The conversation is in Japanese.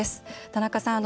田中さん